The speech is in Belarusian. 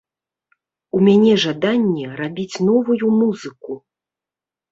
У мяне жаданне рабіць новую музыку.